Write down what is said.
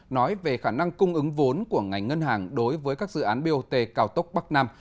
nói về khả năng cung ứng vốn của ngành ngân hàng đối với các dự án bot cao tốc bắc nam